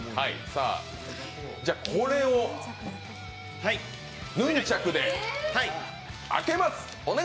これをヌンチャクで開けます。